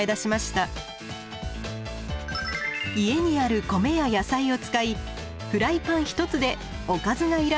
家にある米や野菜を使いフライパン１つでおかずがいらない主食が調理できます。